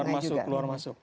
iya keluar masuk keluar masuk